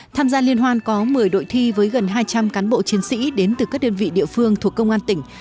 tham gia liên hoan có một mươi đội thi với gần hai trăm linh cán bộ chiến sĩ đến từ các đơn vị địa phương thuộc công an tỉnh